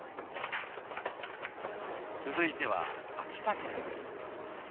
続いては秋田県。